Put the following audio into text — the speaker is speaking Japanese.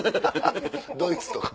ドイツとか。